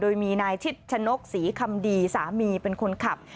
โดยมีนายชิดชะนกศรีคำดีสามีเป็นคนขับ